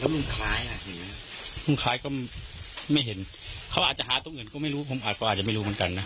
ลุงคล้ายก็ไม่เห็นเขาอาจจะหาตรงอื่นก็ไม่รู้ผมอาจก็อาจจะไม่รู้เหมือนกันนะ